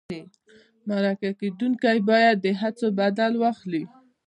مرکه کېدونکی باید د هڅو بدل واخلي.